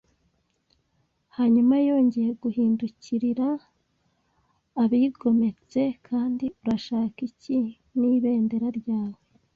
Hanyuma yongeye guhindukirira abigometse. “Kandi urashaka iki n'ibendera ryawe